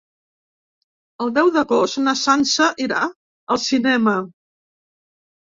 El deu d'agost na Sança irà al cinema.